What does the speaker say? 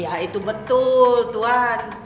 ya itu betul tuan